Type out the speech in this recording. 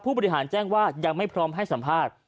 บริหารแจ้งว่ายังไม่พร้อมให้สัมภาษณ์